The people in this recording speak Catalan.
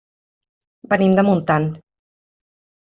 Venim de Montant.